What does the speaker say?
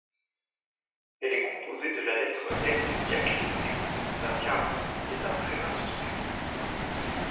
Elle est composée de la lettre S diacritée d’un caron et d’un tréma souscrit.